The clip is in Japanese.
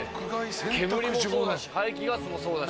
煙もそうだし排気ガスもそうだし